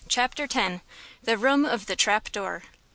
CHAPTER X. THE ROOM OF THE TRAP DOOR.